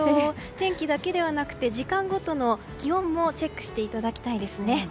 天気だけでなくて時間ごとの気温もチェックしていただきたいですね。